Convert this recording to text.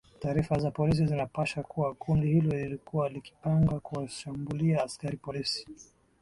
taarifa za polisi zinapasha kuwa kundi hilo lilikuwa likipanga kuwashambulia askari polisi